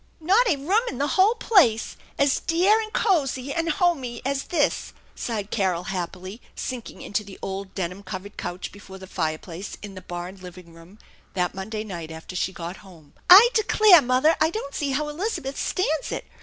"Not a room in the whole place as dear and cozy and homey as this !" sighed Carol happily, sinking into the old denim covered couch before the fireplace in the barn living room that Monday night after she got home. " I declare, mother, I don't see how Elizabeth stands it.